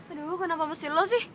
aduh kenapa mesti lo sih